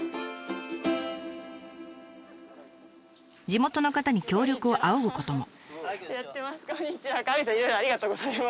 地元の方に協力を仰ぐことも。